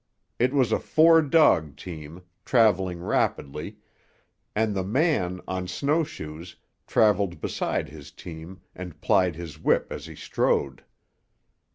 It was a four dog team, travelling rapidly, and the man, on snow shoes, travelled beside his team and plied his whip as he strode.